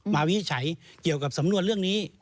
วินิจฉัยเกี่ยวกับสำนวนเรื่องนี้